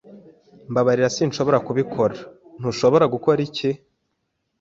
"Mbabarira. Sinshobora kubikora." "Ntushobora gukora iki?"